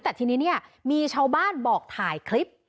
แต่ทีนี้เนี่ยมีชาวบ้านบอกถ่ายคลิป